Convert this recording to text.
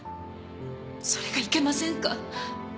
それがいけませんか？